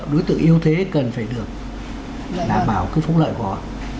đối tượng yêu thế cần phải được bảo cứu phúc lợi của họ